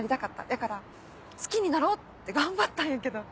やから好きになろうって頑張ったんやけど。